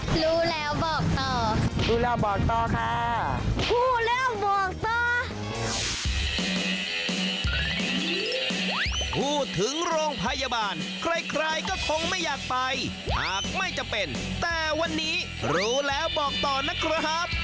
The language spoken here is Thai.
พูดถึงโรงพยาบาลใครก็คงไม่อยากไปหากไม่จำเป็นแต่วันนี้รู้แล้วบอกต่อนะครับ